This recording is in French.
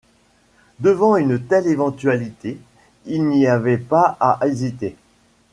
Devant une telle éventualité, il n’y avait pas à hésiter.